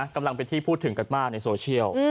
กำลังเป็นที่พูดถึงกันมากในโซเชียล